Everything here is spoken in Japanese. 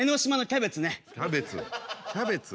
キャベツキャベツ。